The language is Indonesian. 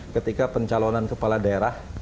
ketika pencalonan kepala daerah